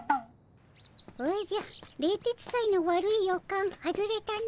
おじゃ冷徹斎の悪い予感外れたの。